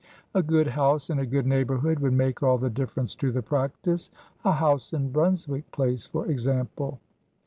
"A good house in a good neighbourhood would make all the difference to the practice. A house in Brunswick Place, for example."